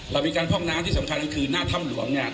เรามีการพร่องน้ำที่สำคัญก็คือหน้าถ้ำหลวงเนี่ย